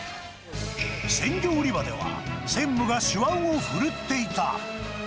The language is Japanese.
鮮魚売り場では、専務が手腕を振るっていた。